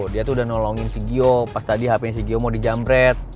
dia tuh udah nolongin si gio pas tadi hpnya si gio mau dijamret